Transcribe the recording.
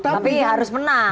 tapi harus menang